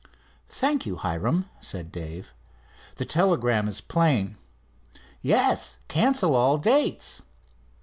"Thank you Hiram," said Dave. "The telegram is plain." "Yes, cancel all dates."